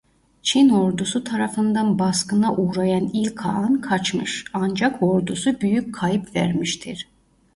Çin ordusu tarafından baskına uğrayan İl Kağan kaçmış ancak ordusu büyük kayıp vermiştir.